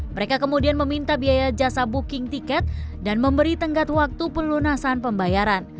mereka kemudian meminta biaya jasa booking tiket dan memberi tenggat waktu pelunasan pembayaran